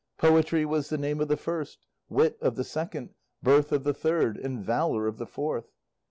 "Poetry" was the name of the first, "Wit" of the second, "Birth" of the third, and "Valour" of the fourth.